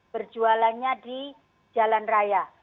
berjualannya di jalan raya